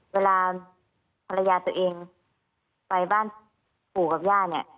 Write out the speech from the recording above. เวลาภรรยาตัวเองไปบ้านปู่กับย่าเนี่ย